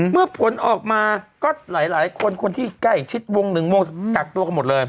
ผลออกมาก็หลายคนคนที่ใกล้ชิดวงหนึ่งวงกักตัวกันหมดเลย